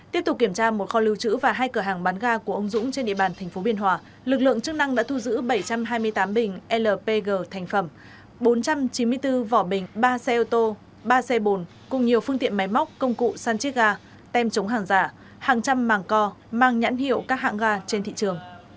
tiếp tục kiểm tra một kho lưu trữ và hai cửa hàng bán ga của ông dũng trên địa bàn tp biên hòa lực lượng chức năng đã thu giữ bảy trăm hai mươi tám bình lpg thành phẩm bốn trăm chín mươi bốn vỏ bình ba xe ô tô ba xe bồn cùng nhiều phương tiện máy móc công cụ săn chiếc gà tem chống hàng giả hàng trăm màng co mang nhãn hiệu các hãng gà trên thị trường